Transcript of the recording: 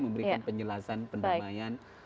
memberikan penjelasan pendamaian